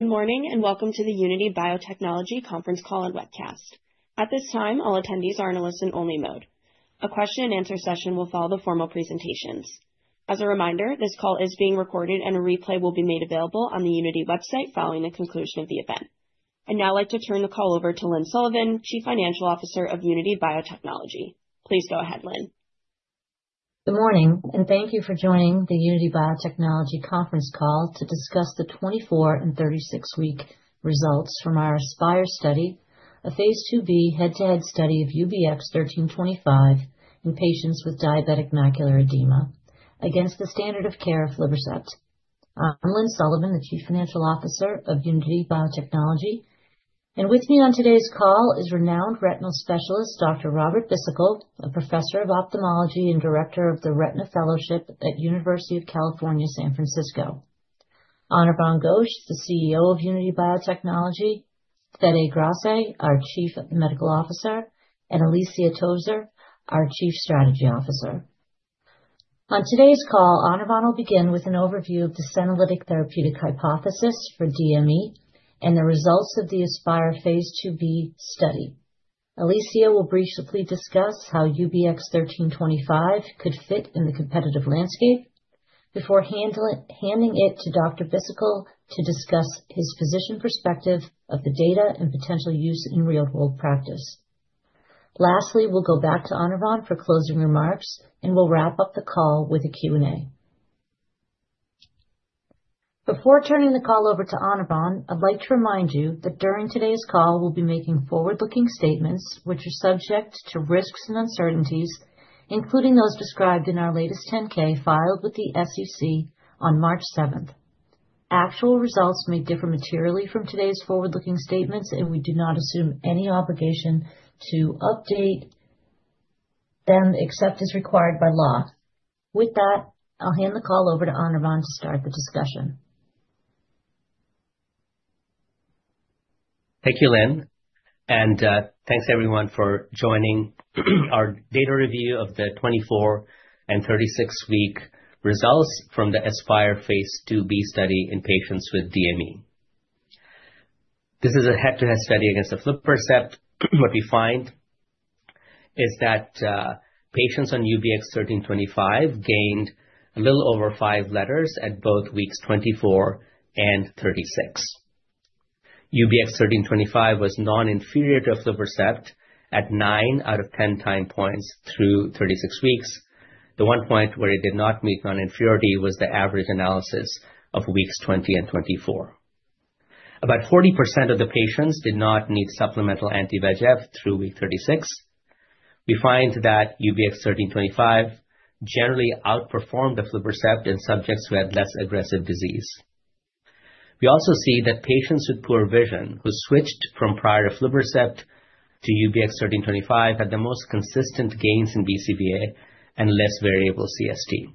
Good morning and welcome to the Unity Biotechnology Conference Call and Webcast. At this time, all attendees are in a listen-only mode. A question-and-answer session will follow the formal presentations. As a reminder, this call is being recorded and a replay will be made available on the Unity website following the conclusion of the event. I'd now like to turn the call over to Lynne Sullivan, Chief Financial Officer of Unity Biotechnology. Please go ahead, Lynne. Good morning, and thank you for joining the Unity Biotechnology Conference Call to discuss the 24 and 36-week results from our ASPIRE study, a Phase 2b head-to-head study of UBX1325 in patients with diabetic macular edema against the standard of care of Aflibercept. I'm Lynne Sullivan, the Chief Financial Officer of Unity Biotechnology, and with me on today's call is renowned retinal specialist Dr. Robert Bhisitkul, a Professor of Ophthalmology and Director of the Retina Fellowship at University of California, San Francisco. Anirvan Ghosh, the CEO of Unity Biotechnology; Federico Grossi, our Chief Medical Officer; and Alicia Tozier, our Chief Strategy Officer. On today's call, Anirvan will begin with an overview of the senolytic therapeutic hypothesis for DME and the results of the ASPIRE Phase 2b study. Alicia will briefly discuss how UBX1325 could fit in the competitive landscape before handing it to Dr. Bhisitkul to discuss his physician perspective of the data and potential use in real-world practice. Lastly, we'll go back to Anirvan for closing remarks, and we'll wrap up the call with a Q&A. Before turning the call over to Anirvan, I'd like to remind you that during today's call, we'll be making forward-looking statements which are subject to risks and uncertainties, including those described in our latest 10-K filed with the SEC on March 7th. Actual results may differ materially from today's forward-looking statements, and we do not assume any obligation to update them except as required by law. With that, I'll hand the call over to Anirvan to start the discussion. Thank you, Lynne, and thanks everyone for joining our data review of the 24 and 36-week results from the ASPIRE Phase 2b study in patients with DME. This is a head-to-head study against aflibercept. What we find is that patients on UBX1325 gained a little over five letters at both weeks 24 and 36. UBX1325 was non-inferior to aflibercept at nine out of ten time points through 36 weeks. The one point where it did not meet non-inferiority was the average analysis of weeks 20 and 24. About 40% of the patients did not need supplemental anti-VEGF through week 36. We find that UBX1325 generally outperformed aflibercept in subjects who had less aggressive disease. We also see that patients with poor vision who switched from prior aflibercept to UBX1325 had the most consistent gains in BCVA and less variable CST.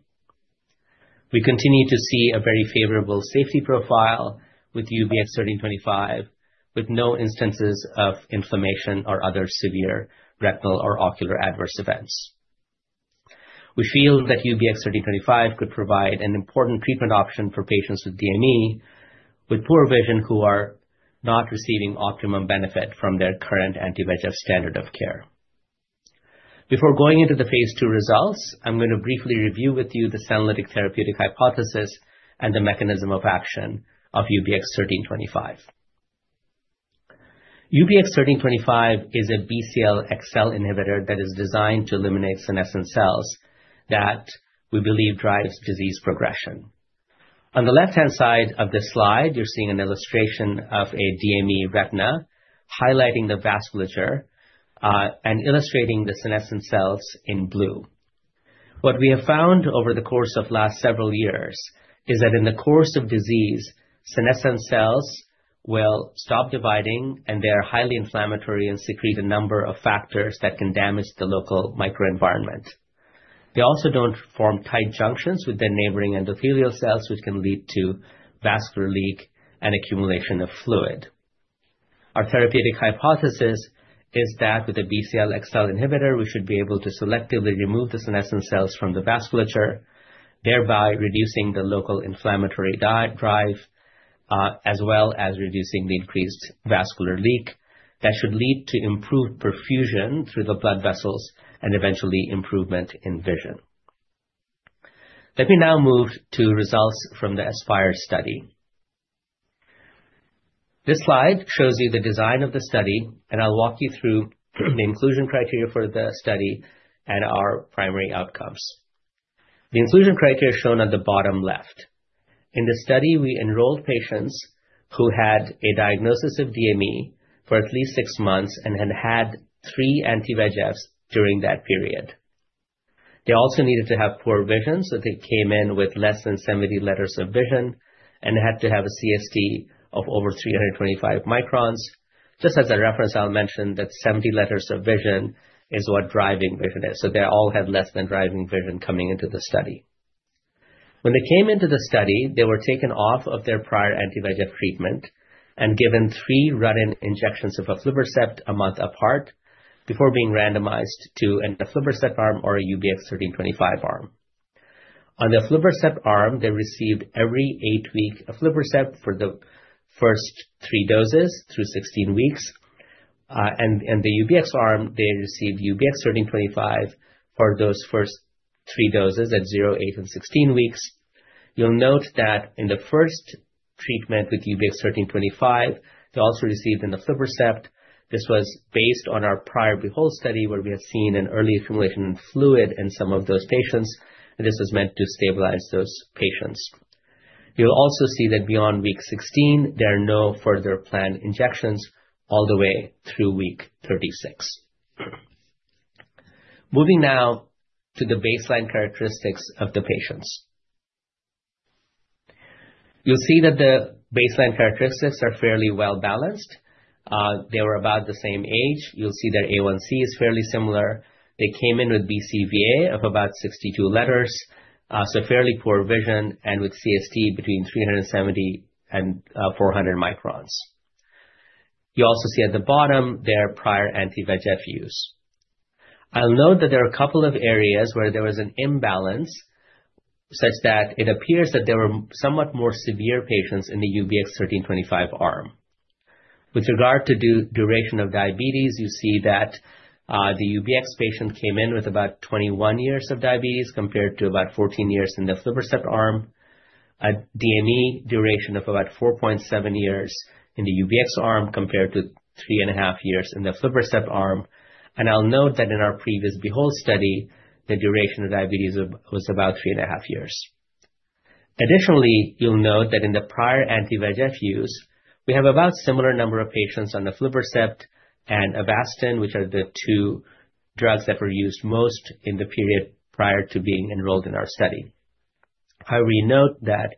We continue to see a very favorable safety profile with UBX1325, with no instances of inflammation or other severe retinal or ocular adverse events. We feel that UBX1325 could provide an important treatment option for patients with DME with poor vision who are not receiving optimum benefit from their current anti-VEGF standard of care. Before going into the Phase 2 results, I'm going to briefly review with you the senolytic therapeutic hypothesis and the mechanism of action of UBX1325. UBX1325 is a BCL-XL inhibitor that is designed to eliminate senescent cells that we believe drive disease progression. On the left-hand side of this slide, you're seeing an illustration of a DME retina highlighting the vasculature and illustrating the senescent cells in blue. What we have found over the course of the last several years is that in the course of disease, senescent cells will stop dividing, and they are highly inflammatory and secrete a number of factors that can damage the local microenvironment. They also do not form tight junctions with their neighboring endothelial cells, which can lead to vascular leak and accumulation of fluid. Our therapeutic hypothesis is that with a BCL-XL inhibitor, we should be able to selectively remove the senescent cells from the vasculature, thereby reducing the local inflammatory drive as well as reducing the increased vascular leak that should lead to improved perfusion through the blood vessels and eventually improvement in vision. Let me now move to results from the ASPIRE study. This slide shows you the design of the study, and I will walk you through the inclusion criteria for the study and our primary outcomes. The inclusion criteria is shown on the bottom left. In the study, we enrolled patients who had a diagnosis of DME for at least six months and had had three anti-VEGFs during that period. They also needed to have poor vision, so they came in with less than 70 letters of vision and had to have a CST of over 325 microns. Just as a reference, I'll mention that 70 letters of vision is what driving vision is, so they all had less than driving vision coming into the study. When they came into the study, they were taken off of their prior anti-VEGF treatment and given three run-in injections of Aflibercept a month apart before being randomized to an Aflibercept arm or a UBX1325 arm. On the Aflibercept arm, they received every eight-week Aflibercept for the first three doses through 16 weeks. In the UBX arm, they received UBX1325 for those first three doses at 0, 8, and 16 weeks. You'll note that in the first treatment with UBX1325, they also received an aflibercept. This was based on our prior BEHOLD study where we have seen an early accumulation of fluid in some of those patients, and this was meant to stabilize those patients. You'll also see that beyond week 16, there are no further planned injections all the way through week 36. Moving now to the baseline characteristics of the patients. You'll see that the baseline characteristics are fairly well-balanced. They were about the same age. You'll see their A1C is fairly similar. They came in with BCVA of about 62 letters, so fairly poor vision, and with CST between 370 and 400 microns. You also see at the bottom their prior anti-VEGF use. I'll note that there are a couple of areas where there was an imbalance such that it appears that there were somewhat more severe patients in the UBX1325 arm. With regard to duration of diabetes, you see that the UBX patient came in with about 21 years of diabetes compared to about 14 years in the Aflibercept arm, a DME duration of about 4.7 years in the UBX arm compared to three and a half years in the Aflibercept arm. I'll note that in our previous BEHOLD study, the duration of diabetes was about three and a half years. Additionally, you'll note that in the prior anti-VEGF use, we have about a similar number of patients on the Aflibercept and Avastin, which are the two drugs that were used most in the period prior to being enrolled in our study. I will note that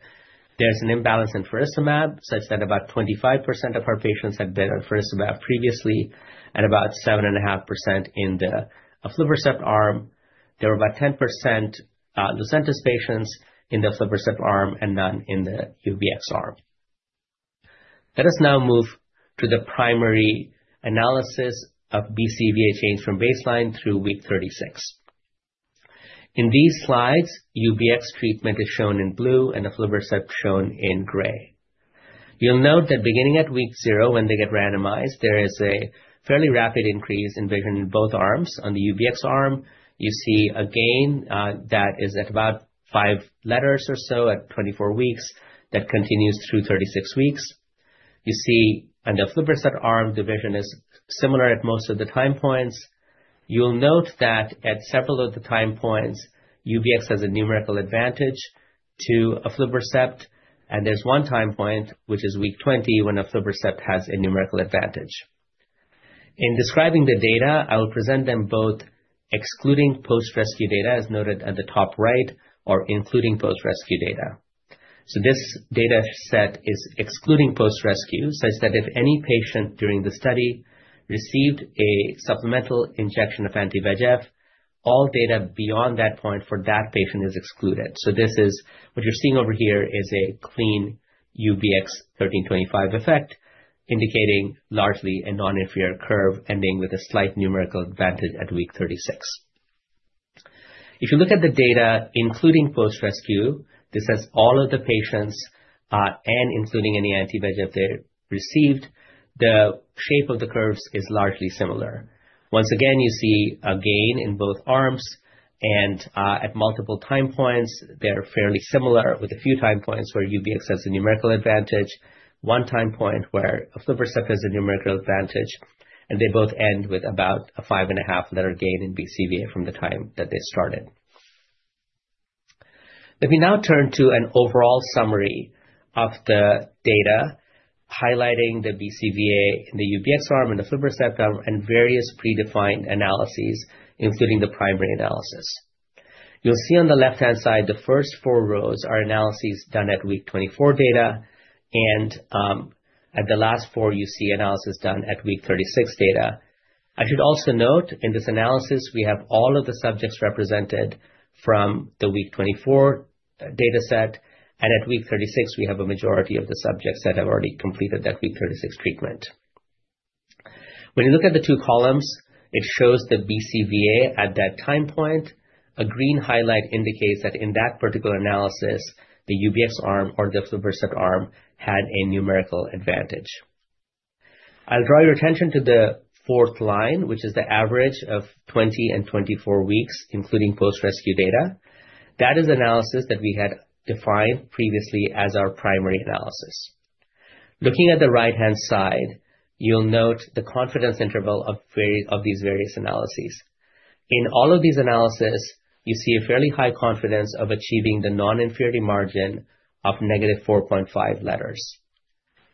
there's an imbalance in faricimab such that about 25% of our patients had been on faricimab previously and about 7.5% in the aflibercept arm. There were about 10% Lucentis patients in the aflibercept arm and none in the UBX arm. Let us now move to the primary analysis of BCVA change from baseline through week 36. In these slides, UBX treatment is shown in blue and the aflibercept shown in gray. You'll note that beginning at week zero, when they get randomized, there is a fairly rapid increase in vision in both arms. On the UBX arm, you see a gain that is at about five letters or so at 24 weeks that continues through 36 weeks. You see on the aflibercept arm, the vision is similar at most of the time points. You'll note that at several of the time points, UBX has a numerical advantage to Aflibercept, and there's one time point, which is week 20, when Aflibercept has a numerical advantage. In describing the data, I will present them both excluding post-rescue data as noted at the top right or including post-rescue data. This data set is excluding post-rescue such that if any patient during the study received a supplemental injection of anti-VEGF, all data beyond that point for that patient is excluded. What you're seeing over here is a clean UBX1325 effect indicating largely a non-inferior curve ending with a slight numerical advantage at week 36. If you look at the data including post-rescue, this has all of the patients and including any anti-VEGF they received, the shape of the curves is largely similar. Once again, you see a gain in both arms, and at multiple time points, they're fairly similar with a few time points where UBX1325 has a numerical advantage, one time point where aflibercept has a numerical advantage, and they both end with about a five and a half letter gain in BCVA from the time that they started. Let me now turn to an overall summary of the data highlighting the BCVA in the UBX1325 arm and the aflibercept arm and various predefined analyses, including the primary analysis. You'll see on the left-hand side, the first four rows are analyses done at week 24 data, and at the last four, you see analysis done at week 36 data. I should also note in this analysis, we have all of the subjects represented from the week 24 data set, and at week 36, we have a majority of the subjects that have already completed that week 36 treatment. When you look at the two columns, it shows the BCVA at that time point. A green highlight indicates that in that particular analysis, the UBX1325 arm or the aflibercept arm had a numerical advantage. I'll draw your attention to the fourth line, which is the average of 20 and 24 weeks, including post-rescue data. That is the analysis that we had defined previously as our primary analysis. Looking at the right-hand side, you'll note the confidence interval of these various analyses. In all of these analyses, you see a fairly high confidence of achieving the non-inferiority margin of negative 4.5 letters.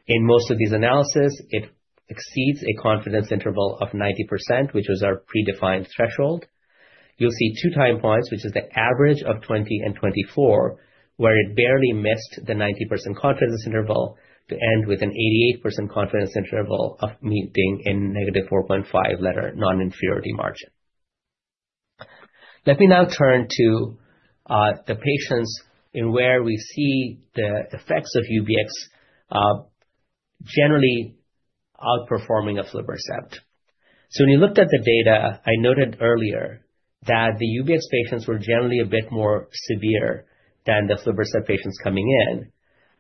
In most of these analyses, it exceeds a confidence interval of 90%, which was our predefined threshold. You'll see two time points, which is the average of 20 and 24, where it barely missed the 90% confidence interval to end with an 88% confidence interval of meeting a negative 4.5 letter non-inferiority margin. Let me now turn to the patients where we see the effects of UBX1325 generally outperforming Aflibercept. When you looked at the data, I noted earlier that the UBX1325 patients were generally a bit more severe than the Aflibercept patients coming in.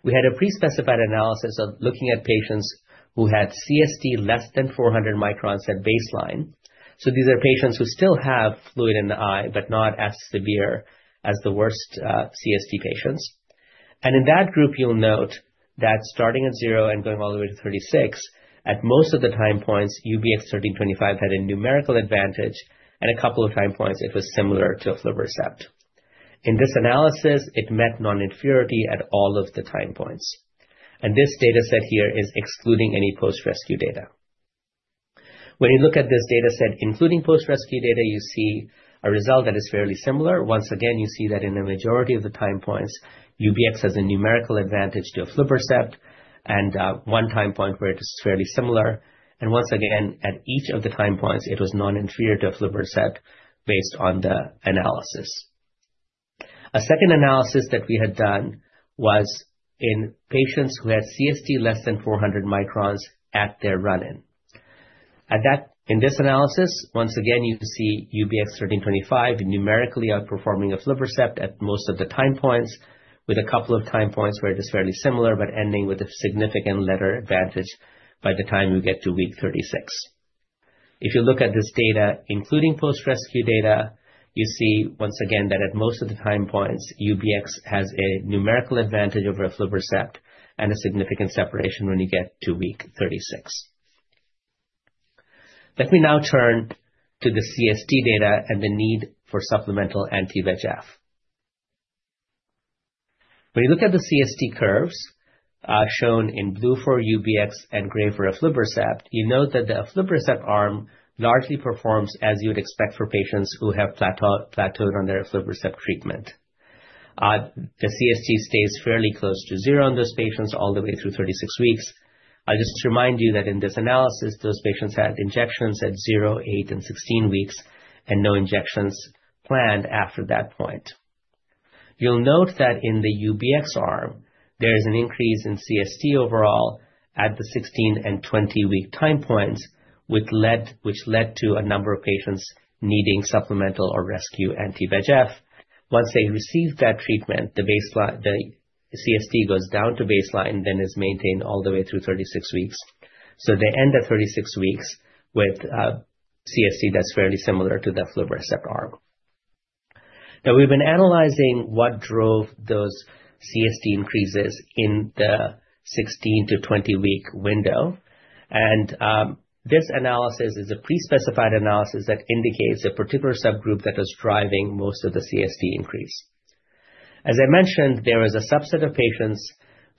We had a pre-specified analysis of looking at patients who had CST less than 400 microns at baseline. These are patients who still have fluid in the eye, but not as severe as the worst CST patients. In that group, you'll note that starting at zero and going all the way to 36, at most of the time points, UBX1325 had a numerical advantage, and a couple of time points, it was similar to Aflibercept. In this analysis, it met non-inferiority at all of the time points. This data set here is excluding any post-rescue data. When you look at this data set including post-rescue data, you see a result that is fairly similar. Once again, you see that in the majority of the time points, UBX has a numerical advantage to Aflibercept and one time point where it is fairly similar. Once again, at each of the time points, it was non-inferior to Aflibercept based on the analysis. A second analysis that we had done was in patients who had CST less than 400 microns at their run-in. In this analysis, once again, you see UBX1325 numerically outperforming Aflibercept at most of the time points, with a couple of time points where it is fairly similar but ending with a significant letter advantage by the time you get to week 36. If you look at this data including post-rescue data, you see once again that at most of the time points, UBX has a numerical advantage over Aflibercept and a significant separation when you get to week 36. Let me now turn to the CST data and the need for supplemental anti-VEGF. When you look at the CST curves shown in blue for UBX and gray for Aflibercept, you note that the Aflibercept arm largely performs as you would expect for patients who have plateaued on their Aflibercept treatment. The CST stays fairly close to zero on those patients all the way through 36 weeks. I'll just remind you that in this analysis, those patients had injections at zero, eight, and sixteen weeks and no injections planned after that point. You'll note that in the UBX1325 arm, there is an increase in CST overall at the sixteen and twenty-week time points, which led to a number of patients needing supplemental or rescue anti-VEGF. Once they receive that treatment, the CST goes down to baseline and then is maintained all the way through thirty-six weeks. They end at thirty-six weeks with CST that's fairly similar to the aflibercept arm. We have been analyzing what drove those CST increases in the sixteen to twenty-week window. This analysis is a pre-specified analysis that indicates a particular subgroup that was driving most of the CST increase. As I mentioned, there was a subset of patients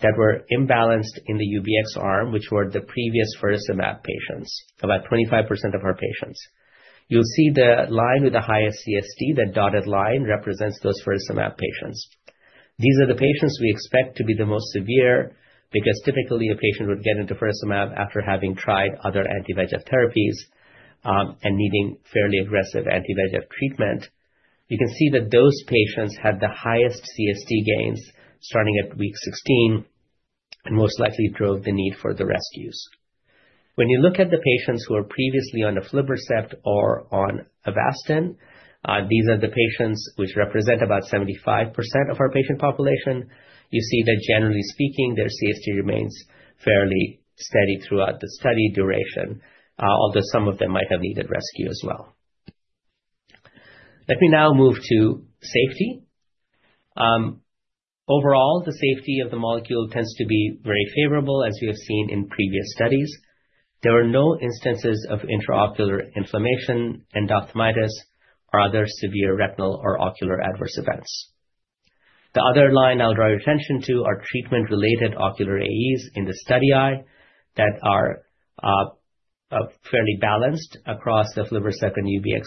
that were imbalanced in the UBX arm, which were the previous faricimab patients, about 25% of our patients. You'll see the line with the highest CST, the dotted line represents those faricimab patients. These are the patients we expect to be the most severe because typically, a patient would get into faricimab after having tried other anti-VEGF therapies and needing fairly aggressive anti-VEGF treatment. You can see that those patients had the highest CST gains starting at week 16 and most likely drove the need for the rescues. When you look at the patients who are previously on aflibercept or on Avastin, these are the patients which represent about 75% of our patient population. You see that generally speaking, their CST remains fairly steady throughout the study duration, although some of them might have needed rescue as well. Let me now move to safety. Overall, the safety of the molecule tends to be very favorable, as we have seen in previous studies. There were no instances of intraocular inflammation, endophthalmitis, or other severe retinal or ocular adverse events. The other line I'll draw your attention to are treatment-related ocular AEs in the study eye that are fairly balanced across the Aflibercept and UBX1325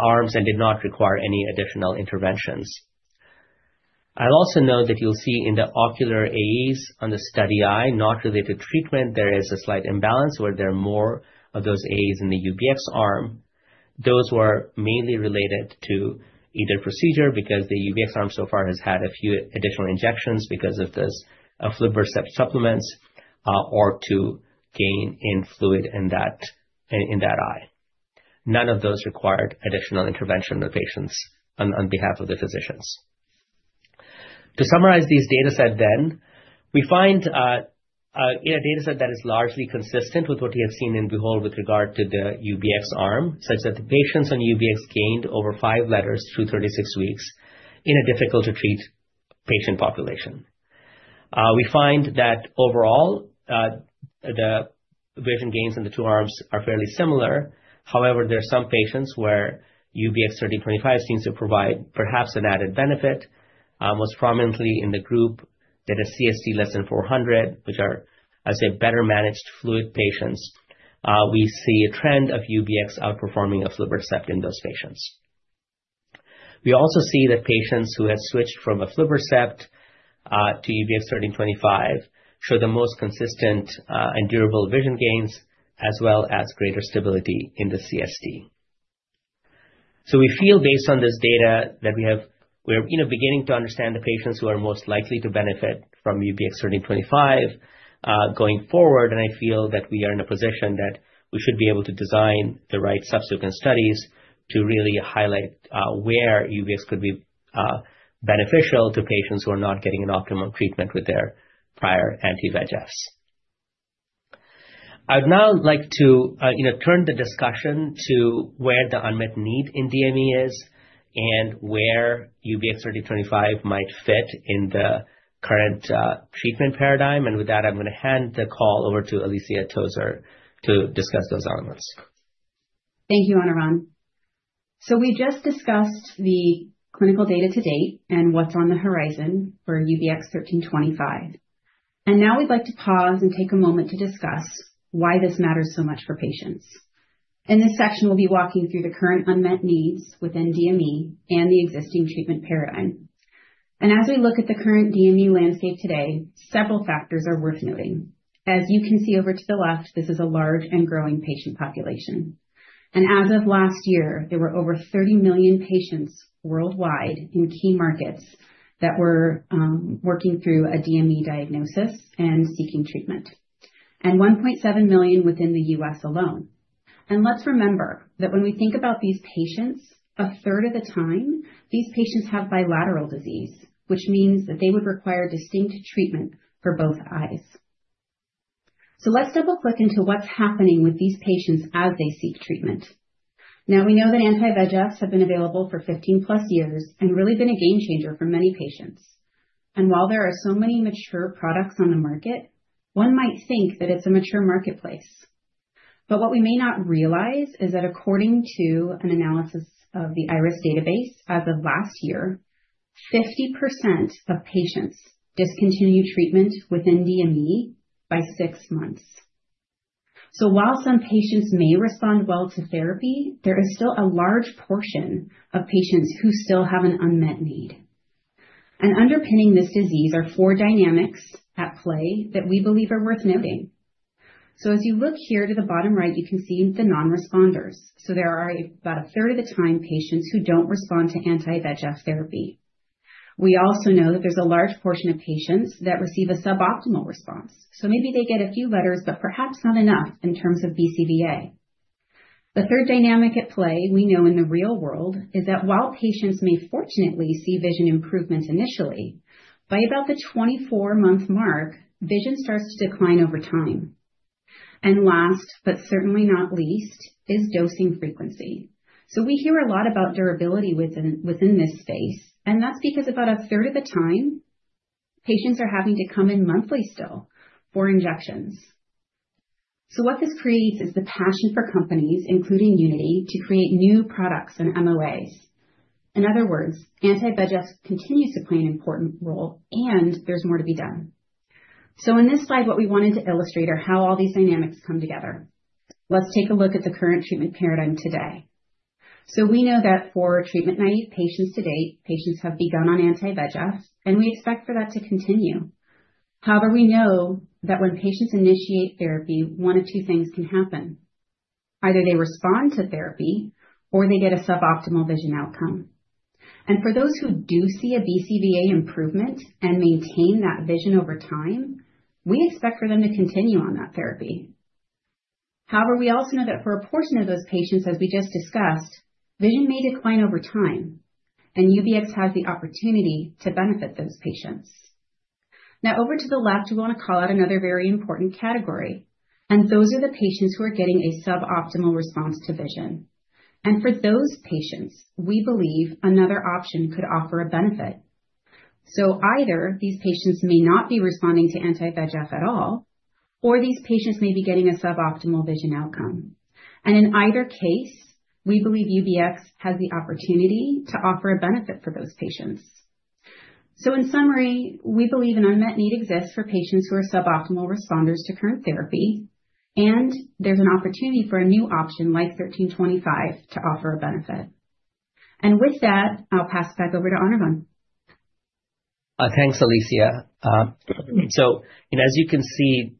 arms and did not require any additional interventions. I'll also note that you'll see in the ocular AEs on the study eye, not related to treatment, there is a slight imbalance where there are more of those AEs in the UBX1325 arm. Those were mainly related to either procedure because the UBX1325 arm so far has had a few additional injections because of those Aflibercept supplements or to gain in fluid in that eye. None of those required additional intervention on the patients on behalf of the physicians. To summarize these data sets then, we find a data set that is largely consistent with what you have seen in BEHOLD with regard to the UBX1325 arm such that the patients on UBX1325 gained over five letters through 36 weeks in a difficult-to-treat patient population. We find that overall, the vision gains in the two arms are fairly similar. However, there are some patients where UBX1325 seems to provide perhaps an added benefit, most prominently in the group that has CST less than 400, which are, I'd say, better managed fluid patients. We see a trend of UBX1325 outperforming Aflibercept in those patients. We also see that patients who have switched from Aflibercept to UBX1325 show the most consistent and durable vision gains as well as greater stability in the CST. We feel, based on this data, that we're beginning to understand the patients who are most likely to benefit from UBX1325 going forward. I feel that we are in a position that we should be able to design the right subsequent studies to really highlight where UBX could be beneficial to patients who are not getting an optimum treatment with their prior anti-VEGFs. I would now like to turn the discussion to where the unmet need in DME is and where UBX1325 might fit in the current treatment paradigm. With that, I'm going to hand the call over to Alicia Tozier to discuss those elements. Thank you, Anirvan. We just discussed the clinical data to date and what's on the horizon for UBX1325. Now we'd like to pause and take a moment to discuss why this matters so much for patients. In this section, we'll be walking through the current unmet needs within DME and the existing treatment paradigm. As we look at the current DME landscape today, several factors are worth noting. As you can see over to the left, this is a large and growing patient population. As of last year, there were over 30 million patients worldwide in key markets that were working through a DME diagnosis and seeking treatment, and 1.7 million within the US alone. Let's remember that when we think about these patients, a third of the time, these patients have bilateral disease, which means that they would require distinct treatment for both eyes. Let's double-click into what's happening with these patients as they seek treatment. We know that anti-VEGFs have been available for 15-plus years and really been a game changer for many patients. While there are so many mature products on the market, one might think that it's a mature marketplace. What we may not realize is that according to an analysis of the IRIS database as of last year, 50% of patients discontinue treatment within DME by six months. While some patients may respond well to therapy, there is still a large portion of patients who still have an unmet need. Underpinning this disease are four dynamics at play that we believe are worth noting. As you look here to the bottom right, you can see the non-responders. There are about a third of the time patients who do not respond to anti-VEGF therapy. We also know that there is a large portion of patients that receive a suboptimal response. Maybe they get a few letters, but perhaps not enough in terms of BCVA. The third dynamic at play we know in the real world is that while patients may fortunately see vision improvement initially, by about the 24-month mark, vision starts to decline over time. Last, but certainly not least, is dosing frequency. We hear a lot about durability within this space, and that's because about a third of the time, patients are having to come in monthly still for injections. What this creates is the passion for companies, including Unity, to create new products and MOAs. In other words, anti-VEGF continues to play an important role, and there's more to be done. In this slide, what we wanted to illustrate are how all these dynamics come together. Let's take a look at the current treatment paradigm today. We know that for treatment-naive patients to date, patients have begun on anti-VEGF, and we expect for that to continue. However, we know that when patients initiate therapy, one of two things can happen. Either they respond to therapy or they get a suboptimal vision outcome. For those who do see a BCVA improvement and maintain that vision over time, we expect for them to continue on that therapy. However, we also know that for a portion of those patients, as we just discussed, vision may decline over time, and UBX1325 has the opportunity to benefit those patients. Now, over to the left, we want to call out another very important category. Those are the patients who are getting a suboptimal response to vision. For those patients, we believe another option could offer a benefit. Either these patients may not be responding to anti-VEGF at all, or these patients may be getting a suboptimal vision outcome. In either case, we believe UBX has the opportunity to offer a benefit for those patients. In summary, we believe an unmet need exists for patients who are suboptimal responders to current therapy, and there is an opportunity for a new option like 1325 to offer a benefit. With that, I'll pass it back over to Anirvan. Thanks, Alicia. As you can see,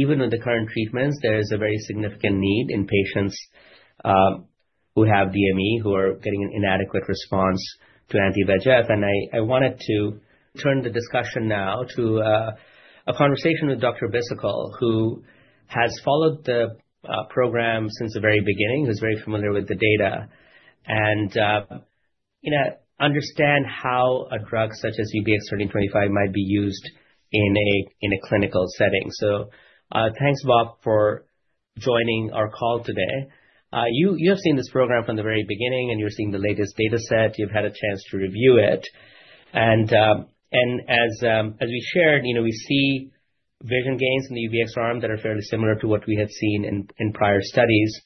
even with the current treatments, there is a very significant need in patients who have DME who are getting an inadequate response to anti-VEGF. I wanted to turn the discussion now to a conversation with Dr. Bhisitkul, who has followed the program since the very beginning, who is very familiar with the data, and understands how a drug such as UBX1325 might be used in a clinical setting. Thanks, Bob, for joining our call today. You have seen this program from the very beginning, and you're seeing the latest data set. You've had a chance to review it. As we shared, we see vision gains in the UBX arm that are fairly similar to what we have seen in prior studies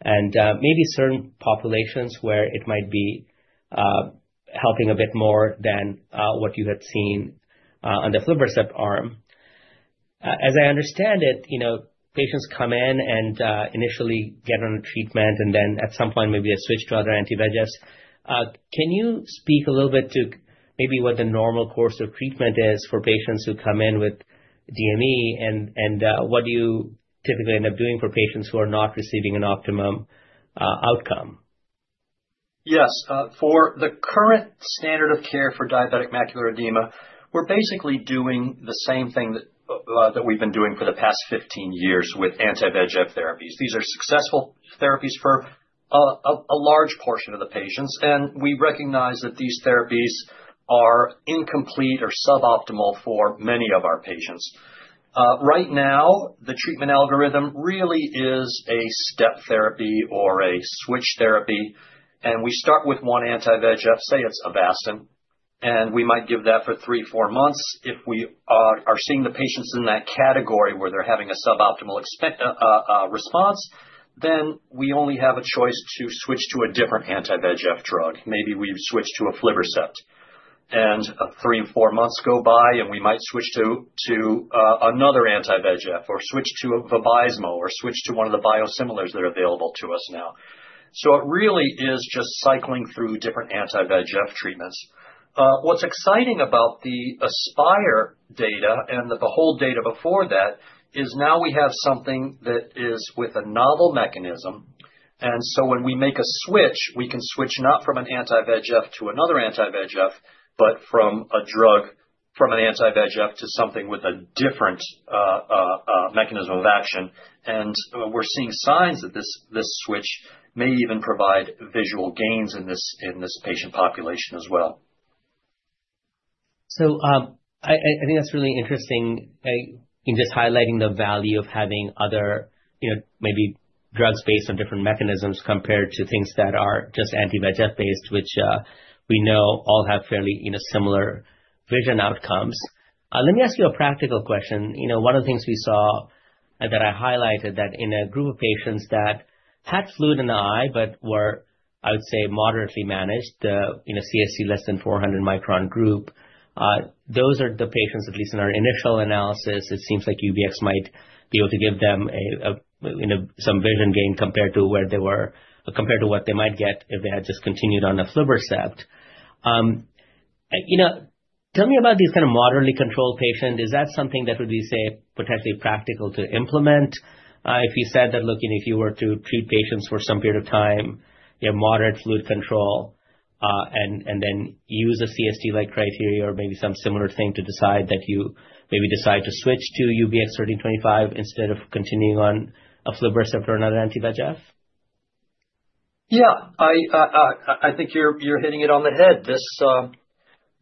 and maybe certain populations where it might be helping a bit more than what you had seen on the Aflibercept arm. As I understand it, patients come in and initially get on a treatment, and at some point, maybe they switch to other anti-VEGFs. Can you speak a little bit to maybe what the normal course of treatment is for patients who come in with DME, and what do you typically end up doing for patients who are not receiving an optimum outcome? Yes. For the current standard of care for diabetic macular edema, we're basically doing the same thing that we've been doing for the past 15 years with anti-VEGF therapies. These are successful therapies for a large portion of the patients. We recognize that these therapies are incomplete or suboptimal for many of our patients. Right now, the treatment algorithm really is a step therapy or a switch therapy. We start with one anti-VEGF, say it's Avastin, and we might give that for three, four months. If we are seeing the patients in that category where they're having a suboptimal response, we only have a choice to switch to a different anti-VEGF drug. Maybe we switch to aflibercept. Three or four months go by, and we might switch to another anti-VEGF or switch to Vabysmo or switch to one of the biosimilars that are available to us now. It really is just cycling through different anti-VEGF treatments. What's exciting about the ASPIRE data and the BEHOLD data before that is now we have something that is with a novel mechanism. When we make a switch, we can switch not from an anti-VEGF to another anti-VEGF, but from a drug from an anti-VEGF to something with a different mechanism of action. We're seeing signs that this switch may even provide visual gains in this patient population as well. I think that's really interesting in just highlighting the value of having other maybe drugs based on different mechanisms compared to things that are just anti-VEGF-based, which we know all have fairly similar vision outcomes. Let me ask you a practical question. One of the things we saw that I highlighted that in a group of patients that had fluid in the eye but were, I would say, moderately managed, the CST less than 400 micron group, those are the patients, at least in our initial analysis, it seems like UBX1325 might be able to give them some vision gain compared to where they were compared to what they might get if they had just continued on the aflibercept. Tell me about these kind of moderately controlled patients. Is that something that would be, say, potentially practical to implement if you said that, look, if you were to treat patients for some period of time, you have moderate fluid control, and then use a CST-like criteria or maybe some similar thing to decide that you maybe decide to switch to UBX1325 instead of continuing on aflibercept or another anti-VEGF? Yeah. I think you're hitting it on the head.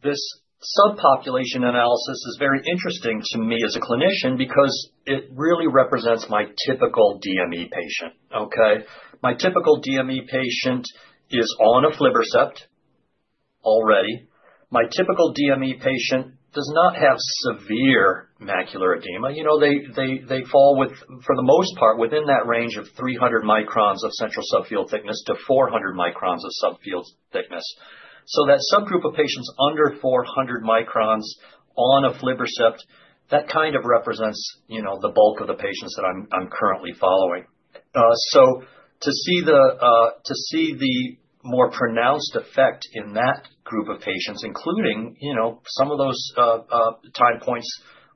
This subpopulation analysis is very interesting to me as a clinician because it really represents my typical DME patient. Okay? My typical DME patient is on aflibercept already. My typical DME patient does not have severe macular edema. They fall, for the most part, within that range of 300 microns of central subfield thickness to 400 microns of subfield thickness. That subgroup of patients under 400 microns on aflibercept, that kind of represents the bulk of the patients that I'm currently following. To see the more pronounced effect in that group of patients, including some of those time points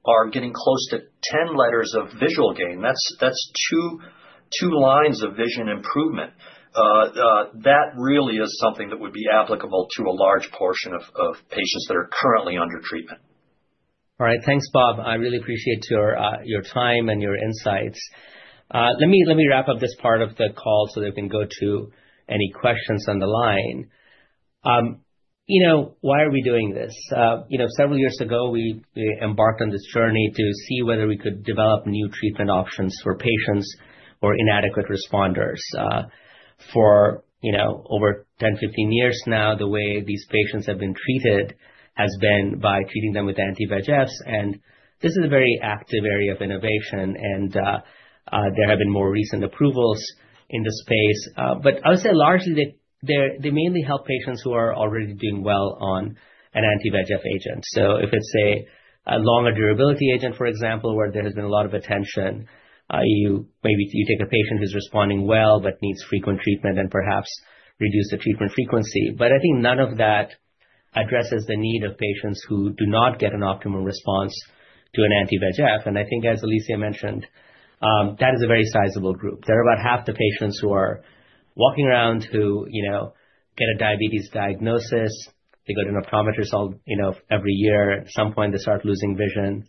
are getting close to 10 letters of visual gain. That's two lines of vision improvement. That really is something that would be applicable to a large portion of patients that are currently under treatment. All right. Thanks, Bob. I really appreciate your time and your insights. Let me wrap up this part of the call so that we can go to any questions on the line. Why are we doing this? Several years ago, we embarked on this journey to see whether we could develop new treatment options for patients who are inadequate responders. For over 10-15 years now, the way these patients have been treated has been by treating them with anti-VEGFs. This is a very active area of innovation. There have been more recent approvals in the space. I would say largely, they mainly help patients who are already doing well on an anti-VEGF agent. If it's a longer durability agent, for example, where there has been a lot of attention, maybe you take a patient who's responding well but needs frequent treatment and perhaps reduce the treatment frequency. I think none of that addresses the need of patients who do not get an optimal response to an anti-VEGF. I think, as Alicia mentioned, that is a very sizable group. There are about half the patients who are walking around who get a diabetes diagnosis. They go to an optometrist every year. At some point, they start losing vision.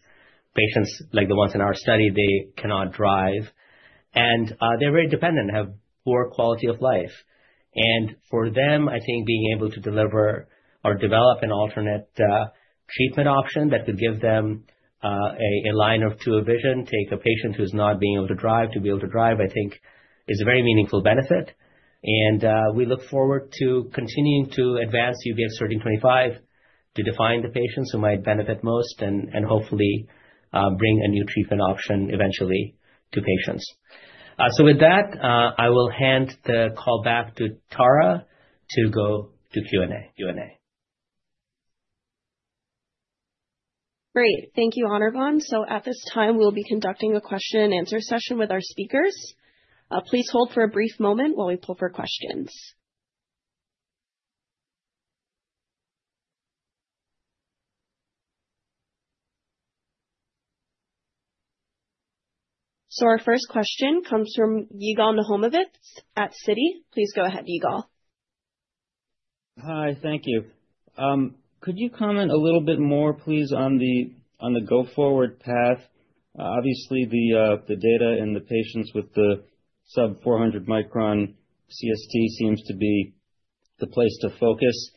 Patients like the ones in our study, they cannot drive. They are very dependent and have poor quality of life. For them, I think being able to deliver or develop an alternate treatment option that could give them a line or two of vision, take a patient who's not being able to drive to be able to drive, I think is a very meaningful benefit. We look forward to continuing to advance UBX1325 to define the patients who might benefit most and hopefully bring a new treatment option eventually to patients. With that, I will hand the call back to Tara to go to Q&A. Great. Thank you, Anirvan. At this time, we'll be conducting a question-and-answer session with our speakers. Please hold for a brief moment while we pull for questions. Our first question comes from Yigal Nochomovitz at Citi. Please go ahead, Yigal. Hi. Thank you. Could you comment a little bit more, please, on the go-forward path? Obviously, the data and the patients with the sub-400-micron CST seems to be the place to focus.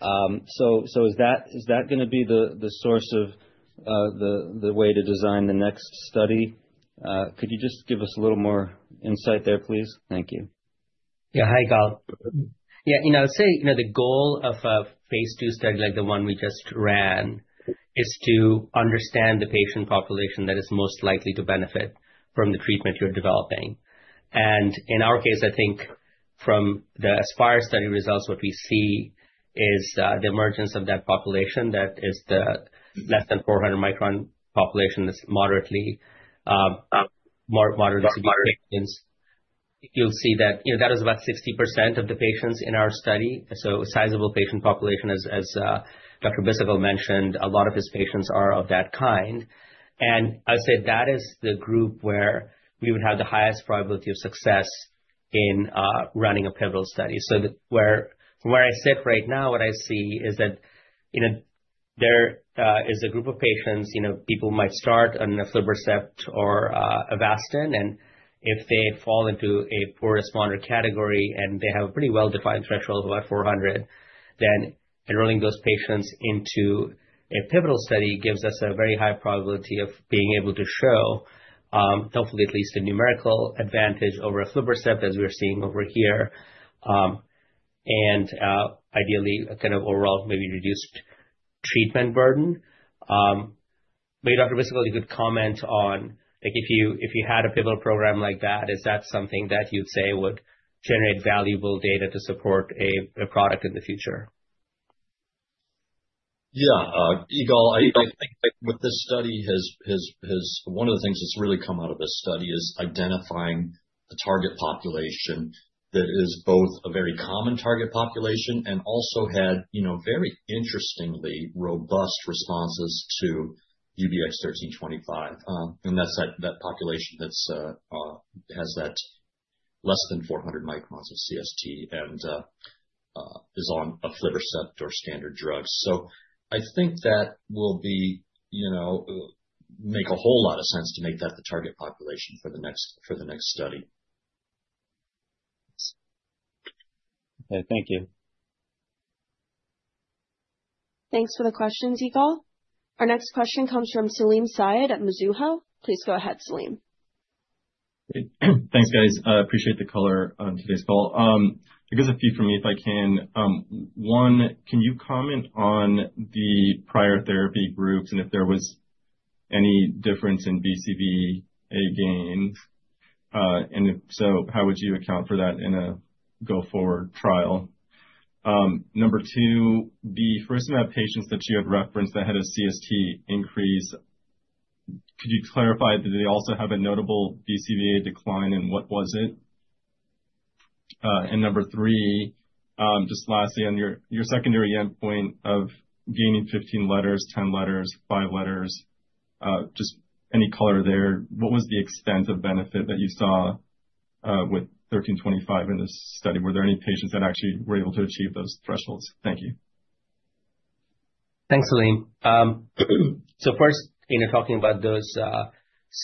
Is that going to be the source of the way to design the next study? Could you just give us a little more insight there, please? Thank you. Yeah. Hi, Yigal. Yeah. I would say the goal of a Phase 2 study like the one we just ran is to understand the patient population that is most likely to benefit from the treatment you're developing. In our case, I think from the ASPIRE study results, what we see is the emergence of that population that is the less than 400-micron population, that's moderately severe patients. You'll see that that was about 60% of the patients in our study. A sizable patient population, as Dr. Bhisitkul mentioned, a lot of his patients are of that kind. I would say that is the group where we would have the highest probability of success in running a pivotal study. From where I sit right now, what I see is that there is a group of patients. People might start on aflibercept or Avastin. If they fall into a poor responder category and they have a pretty well-defined threshold of about 400, then enrolling those patients into a pivotal study gives us a very high probability of being able to show, hopefully, at least a numerical advantage over aflibercept, as we're seeing over here, and ideally, kind of overall, maybe reduced treatment burden. Maybe Dr. Bhisitkul, you could comment on if you had a pivotal program like that, is that something that you'd say would generate valuable data to support a product in the future? Yeah. I think with this study, one of the things that's really come out of this study is identifying the target population that is both a very common target population and also had, very interestingly, robust responses to UBX1325. And that's that population that has that less than 400 microns of CST and is on aflibercept or standard drug. I think that will make a whole lot of sense to make that the target population for the next study. Okay. Thank you. Thanks for the questions, Yigal. Our next question comes from Salim Syed at Mizuho. Please go ahead, Salim. Thanks, guys. I appreciate the color on today's call. I guess a few from me, if I can. One, can you comment on the prior therapy groups and if there was any difference in BCVA gains? If so, how would you account for that in a go-forward trial? Number two, the Faricimab patients that you had referenced that had a CST increase, could you clarify that they also have a notable BCVA decline? What was it? Number three, just lastly, on your secondary endpoint of gaining 15 letters, 10 letters, 5 letters, just any color there, what was the extent of benefit that you saw with 1325 in this study? Were there any patients that actually were able to achieve those thresholds? Thank you. Thanks, Salim. First, talking about those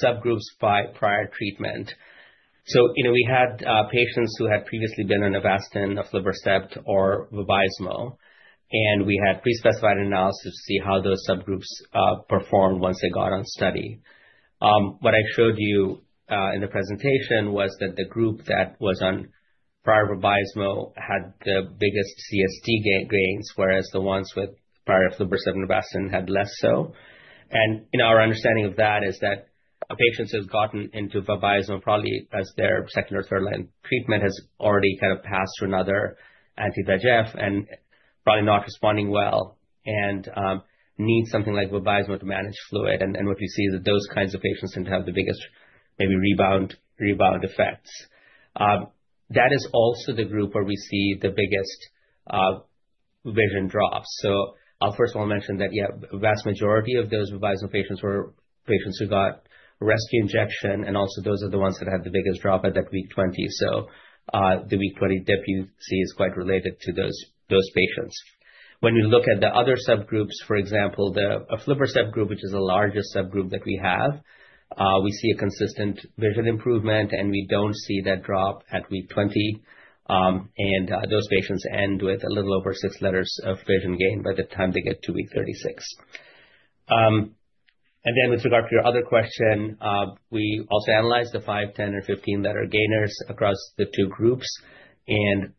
subgroups by prior treatment. We had patients who had previously been on Avastin, Aflibercept, or Faricimab. We had pre-specified analysis to see how those subgroups performed once they got on study. What I showed you in the presentation was that the group that was on prior Faricimab had the biggest CST gains, whereas the ones with prior Aflibercept and Avastin had less so. Our understanding of that is that patients who have gotten into Faricimab probably as their second or third-line treatment have already kind of passed to another anti-VEGF and probably not responding well and need something like Faricimab to manage fluid. What we see is that those kinds of patients tend to have the biggest maybe rebound effects. That is also the group where we see the biggest vision drops. I'll first of all mention that, yeah, the vast majority of those Faricimab patients were patients who got rescue injection. Also, those are the ones that had the biggest drop at that week 20. The week 20 dip you see is quite related to those patients. When we look at the other subgroups, for example, the Aflibercept group, which is the largest subgroup that we have, we see a consistent vision improvement. We do not see that drop at week 20. Those patients end with a little over 6 letters of vision gain by the time they get to week 36. With regard to your other question, we also analyzed the 5, 10, and 15-letter gainers across the two groups.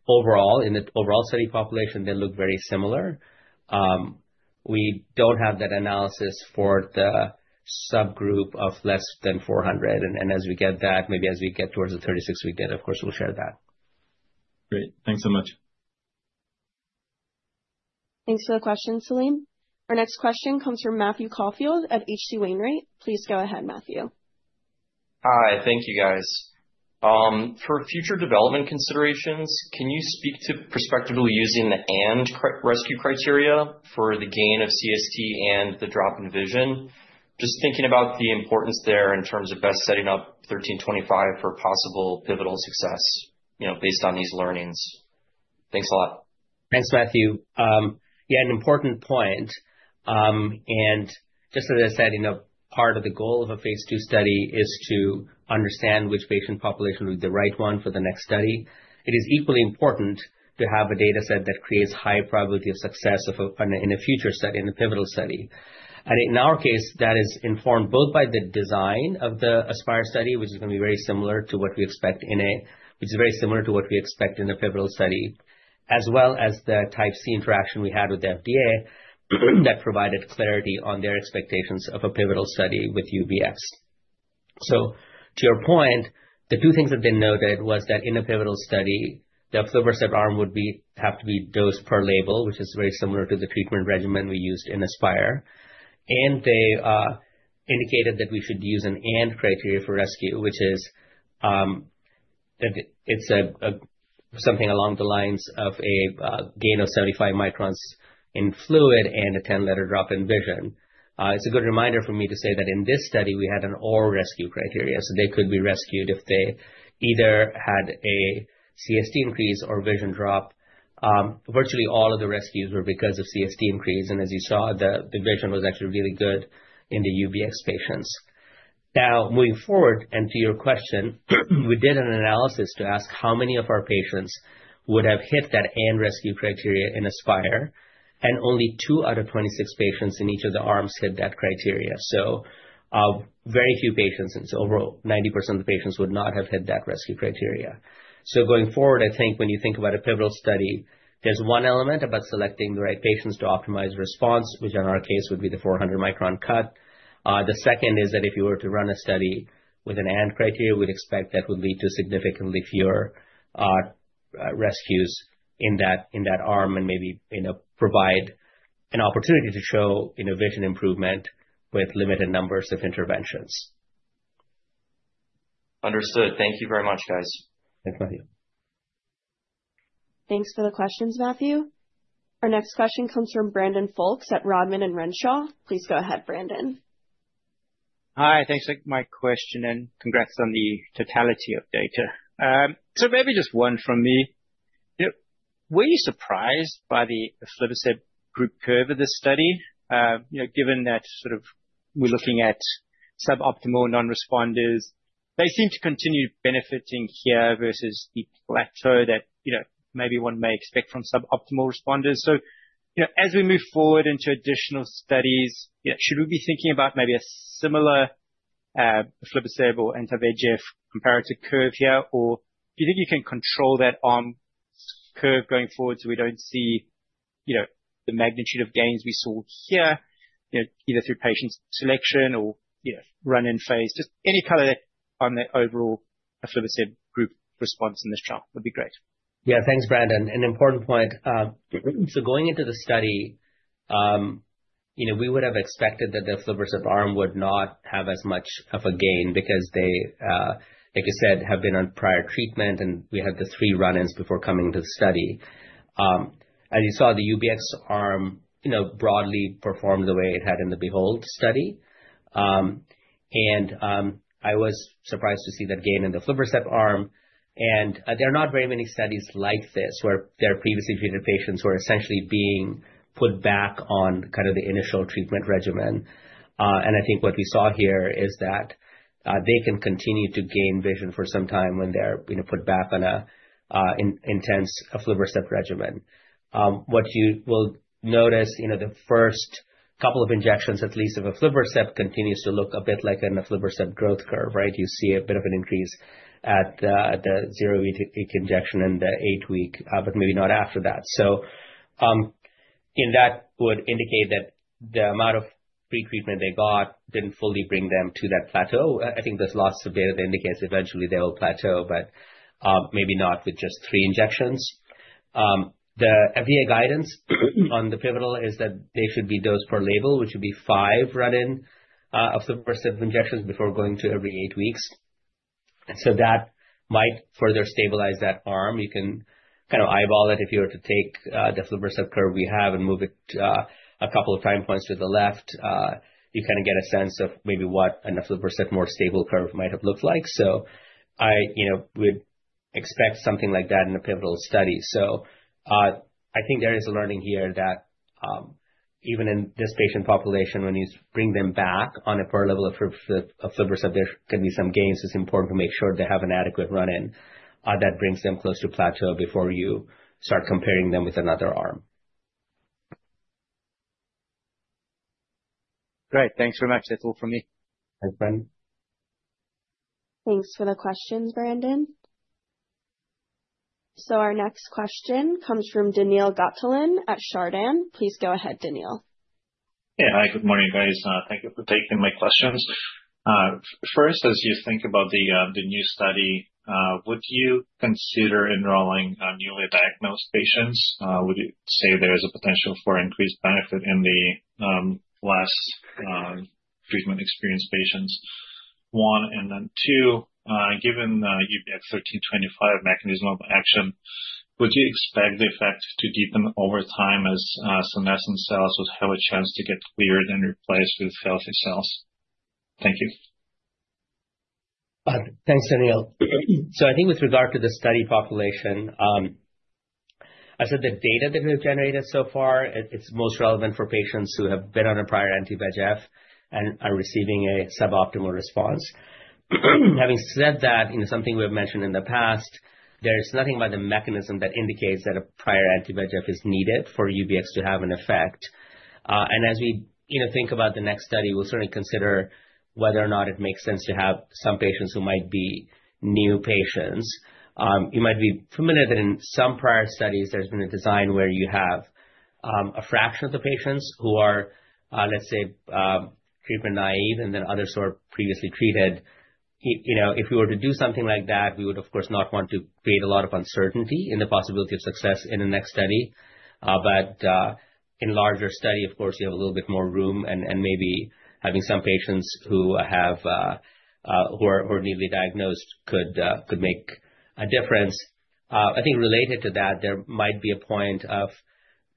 Overall, in the overall study population, they look very similar. We do not have that analysis for the subgroup of less than 400. As we get that, maybe as we get towards the 36-week data, of course, we will share that. Great. Thanks so much. Thanks for the question, Salim. Our next question comes from Matthew Caulfield at H.C. Wainwright. Please go ahead, Matthew. Hi. Thank you, guys. For future development considerations, can you speak to prospectively using the AND rescue criteria for the gain of CST and the drop in vision? Just thinking about the importance there in terms of best setting up 1325 for possible pivotal success based on these learnings. Thanks a lot. Thanks, Matthew. Yeah, an important point. Just as I said, part of the goal of a Phase 2 study is to understand which patient population would be the right one for the next study. It is equally important to have a dataset that creates high probability of success in a future study, in a pivotal study. In our case, that is informed both by the design of the ASPIRE study, which is going to be very similar to what we expect in a, which is very similar to what we expect in a pivotal study, as well as the type C interaction we had with the FDA that provided clarity on their expectations of a pivotal study with UBX1325. To your point, the two things that they noted was that in a pivotal study, the aflibercept arm would have to be dosed per label, which is very similar to the treatment regimen we used in ASPIRE. They indicated that we should use an AND criteria for rescue, which is something along the lines of a gain of 75 microns in fluid and a 10-letter drop in vision. It's a good reminder for me to say that in this study, we had an oral rescue criteria. They could be rescued if they either had a CST increase or vision drop. Virtually all of the rescues were because of CST increase. As you saw, the vision was actually really good in the UBX patients. Moving forward, and to your question, we did an analysis to ask how many of our patients would have hit that AND rescue criteria in ASPIRE. Only 2 out of 26 patients in each of the arms hit that criteria. Very few patients. Overall, 90% of the patients would not have hit that rescue criteria. Going forward, I think when you think about a pivotal study, there's one element about selecting the right patients to optimize response, which in our case would be the 400-micron cut. The second is that if you were to run a study with an AND criteria, we'd expect that would lead to significantly fewer rescues in that arm and maybe provide an opportunity to show vision improvement with limited numbers of interventions. Understood. Thank you very much, guys. Thanks, Matthew. Thanks for the questions, Matthew. Our next question comes from Brandon Folkes at Rodman & Renshaw. Please go ahead, Brandon. Hi. Thanks for my question. And congrats on the totality of data. Maybe just one from me. Were you surprised by the aflibercept group curve of this study? Given that sort of we're looking at suboptimal non-responders, they seem to continue benefiting here versus the plateau that maybe one may expect from suboptimal responders. As we move forward into additional studies, should we be thinking about maybe a similar aflibercept or anti-VEGF comparator curve here? Do you think you can control that arm curve going forward so we do not see the magnitude of gains we saw here either through patient selection or run-in phase? Just any color on the overall aflibercept group response in this trial would be great. Yeah. Thanks, Brandon. An important point. Going into the study, we would have expected that the aflibercept arm would not have as much of a gain because they, like you said, have been on prior treatment. We had the three run-ins before coming to the study. As you saw, the UBX1325 arm broadly performed the way it had in the BEHOLD study. I was surprised to see that gain in the aflibercept arm. There are not very many studies like this where there are previously treated patients who are essentially being put back on kind of the initial treatment regimen. I think what we saw here is that they can continue to gain vision for some time when they're put back on an intense aflibercept regimen. What you will notice, the first couple of injections, at least, of aflibercept continues to look a bit like an aflibercept growth curve, right? You see a bit of an increase at the zero-week injection and the eight-week, but maybe not after that. That would indicate that the amount of pretreatment they got did not fully bring them to that plateau. I think there's lots of data that indicates eventually they will plateau, but maybe not with just three injections. The FDA guidance on the pivotal is that they should be dosed per label, which would be five run-in aflibercept injections before going to every eight weeks. That might further stabilize that arm. You can kind of eyeball it. If you were to take the aflibercept curve we have and move it a couple of time points to the left, you kind of get a sense of maybe what an aflibercept more stable curve might have looked like. I would expect something like that in a pivotal study. I think there is a learning here that even in this patient population, when you bring them back on a per level of aflibercept, there can be some gains. It's important to make sure they have an adequate run-in that brings them close to plateau before you start comparing them with another arm. Great. Thanks very much. That's all from me. Thanks, Brandon. Thanks for the questions, Brandon. Our next question comes from Daniil Gataulin at Chardan. Please go ahead, Daniil. Yeah. Hi. Good morning, guys. Thank you for taking my questions. First, as you think about the new study, would you consider enrolling newly diagnosed patients? Would you say there is a potential for increased benefit in the less treatment experienced patients? One. Then two, given UBX1325 mechanism of action, would you expect the effect to deepen over time as senescent cells would have a chance to get cleared and replaced with healthy cells? Thank you. Thanks, Daniil. I think with regard to the study population, I said the data that we've generated so far, it's most relevant for patients who have been on a prior anti-VEGF and are receiving a suboptimal response. Having said that, something we have mentioned in the past, there's nothing about the mechanism that indicates that a prior anti-VEGF is needed for UBX to have an effect. As we think about the next study, we'll certainly consider whether or not it makes sense to have some patients who might be new patients. You might be familiar that in some prior studies, there's been a design where you have a fraction of the patients who are, let's say, treatment naive and then others who are previously treated. If we were to do something like that, we would, of course, not want to create a lot of uncertainty in the possibility of success in the next study. In a larger study, of course, you have a little bit more room. Maybe having some patients who are newly diagnosed could make a difference. I think related to that, there might be a point of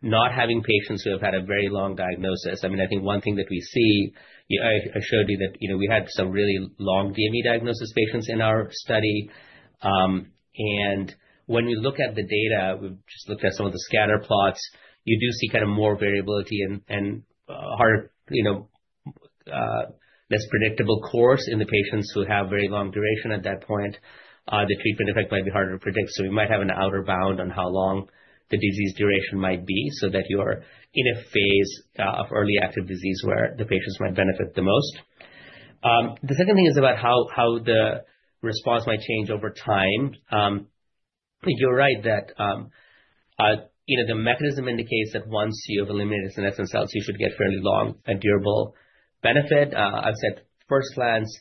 not having patients who have had a very long diagnosis. I mean, I think one thing that we see, I showed you that we had some really long DME diagnosis patients in our study. When we look at the data, we've just looked at some of the scatter plots, you do see kind of more variability and less predictable course in the patients who have very long duration at that point. The treatment effect might be harder to predict. We might have an outer bound on how long the disease duration might be so that you are in a phase of early active disease where the patients might benefit the most. The second thing is about how the response might change over time. You're right that the mechanism indicates that once you have eliminated senescent cells, you should get fairly long and durable benefit. I've said first glance,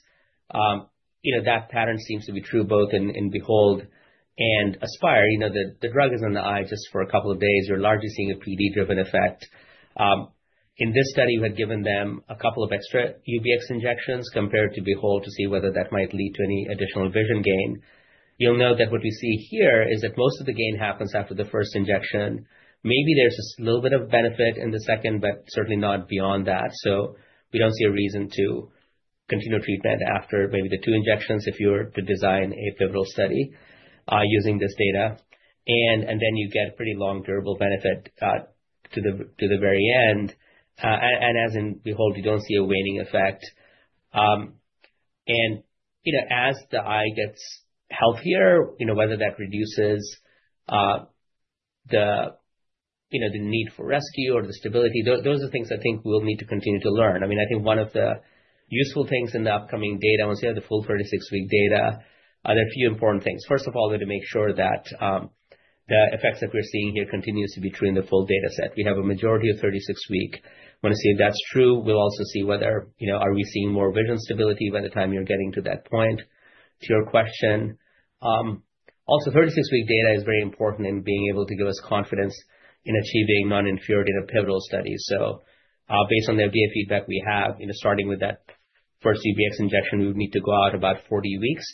that pattern seems to be true both in BEHOLD and ASPIRE. The drug is on the eye just for a couple of days. You're largely seeing a PD-driven effect. In this study, we had given them a couple of extra UBX1325 injections compared to BEHOLD to see whether that might lead to any additional vision gain. You'll note that what we see here is that most of the gain happens after the first injection. Maybe there's a little bit of benefit in the second, but certainly not beyond that. We don't see a reason to continue treatment after maybe the two injections if you were to design a pivotal study using this data. You get pretty long durable benefit to the very end. As in BEHOLD, you don't see a waning effect. As the eye gets healthier, whether that reduces the need for rescue or the stability, those are things I think we'll need to continue to learn. I mean, I think one of the useful things in the upcoming data, I want to say the full 36-week data, there are a few important things. First of all, we have to make sure that the effects that we're seeing here continue to be true in the full dataset. We have a majority of 36-week. We want to see if that's true. We'll also see whether are we seeing more vision stability by the time you're getting to that point, to your question. Also, 36-week data is very important in being able to give us confidence in achieving non-inferiority in a pivotal study. Based on the FDA feedback we have, starting with that first UBX injection, we would need to go out about 40 weeks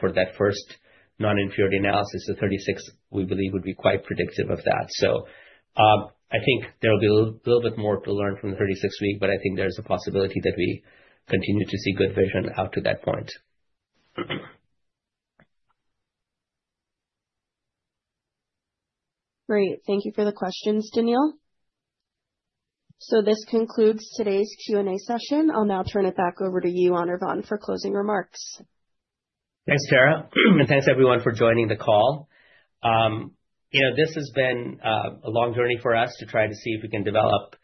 for that first non-inferiority analysis. The 36, we believe, would be quite predictive of that. I think there will be a little bit more to learn from the 36-week, but I think there's a possibility that we continue to see good vision out to that point. Great. Thank you for the questions, Daniil. This concludes today's Q&A session. I'll now turn it back over to you, Anirvan, for closing remarks. Thanks, Tara. Thanks, everyone, for joining the call. This has been a long journey for us to try to see if we can develop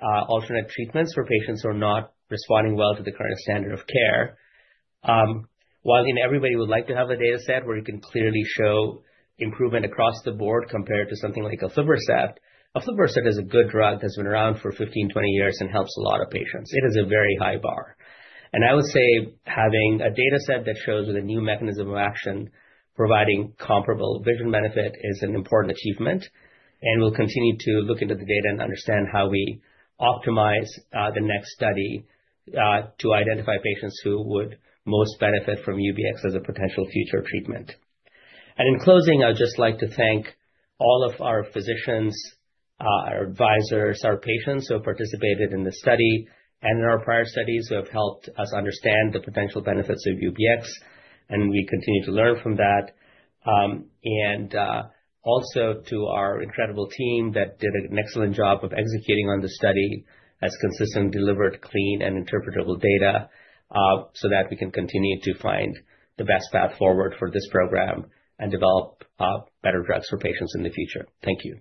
alternate treatments for patients who are not responding well to the current standard of care. While everybody would like to have a dataset where you can clearly show improvement across the board compared to something like aflibercept, aflibercept is a good drug that's been around for 15, 20 years and helps a lot of patients. It is a very high bar. I would say having a dataset that shows with a new mechanism of action providing comparable vision benefit is an important achievement. We will continue to look into the data and understand how we optimize the next study to identify patients who would most benefit from UBX as a potential future treatment. In closing, I would just like to thank all of our physicians, our advisors, our patients who have participated in the study and in our prior studies who have helped us understand the potential benefits of UBX. We continue to learn from that. Also to our incredible team that did an excellent job of executing on the study as consistent, delivered, clean, and interpretable data so that we can continue to find the best path forward for this program and develop better drugs for patients in the future. Thank you.